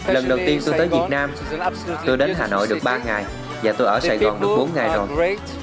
lần đầu tiên tôi tới việt nam tôi đến hà nội được ba ngày và tôi ở sài gòn được bốn ngày rồi